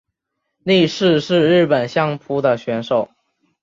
力士是日本相扑的选手。